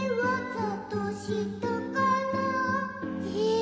え？